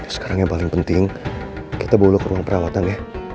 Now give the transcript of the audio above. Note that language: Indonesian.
sekarang yang paling penting kita bulu ke ruang perawatan ya